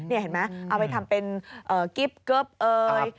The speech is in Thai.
นี่เห็นไหมเอาไปทำเป็นกิ๊บเกิ๊บเอ่ย